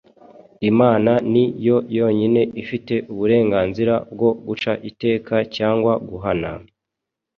Imana ni yo yonyine ifite uburenganzira bwo guca iteka cyangwa guhana,